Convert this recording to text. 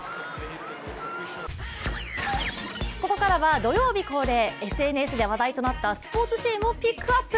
ここからは土曜日恒例、ＳＮＳで話題となったスポーツシーンをピックアップ